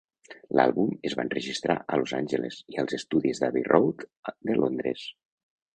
L'àlbum es va enregistrar a Los Angeles i als estudis d'Abbey Road de Londres.